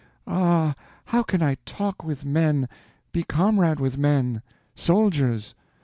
Ah, how can I talk with men, be comrade with men?—soldiers!